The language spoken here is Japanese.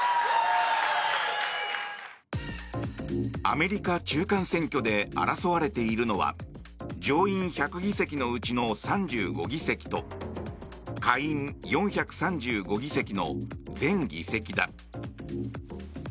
アメリカ中間選挙で争われているのは上院１００議席のうちの３５議席と下院４３５議席の全議席だ。